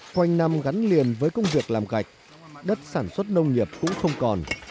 khoanh năm gắn liền với công việc làm gạch đất sản xuất nông nghiệp cũng không còn